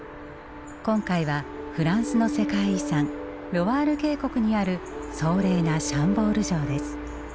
今回はフランスの世界遺産ロワール渓谷にある壮麗なシャンボール城です。